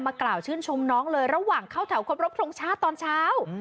กล่าวชื่นชมน้องเลยระหว่างเข้าแถวครบรบทรงชาติตอนเช้า